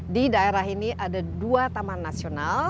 di daerah ini ada dua taman nasional